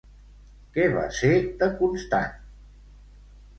Què va ser de Constant?